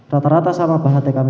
rata rata sama pak ht kami